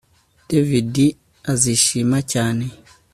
David azishima cyane